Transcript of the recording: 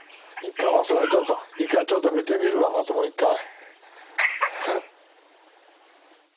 そりゃちょっと一回ちょっと見てみるわまたもう一回。